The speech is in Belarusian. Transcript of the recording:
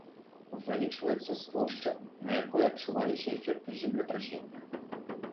Вылічваецца з плошчы, на якой адчуваліся эфекты землетрасення.